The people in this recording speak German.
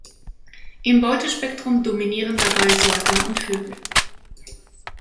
Im Beutespektrum dominieren dabei Säuger und Vögel.